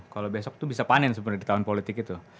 kalau besok itu bisa panen sebenarnya di tahun politik itu